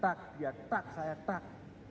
tak dia tak saya tak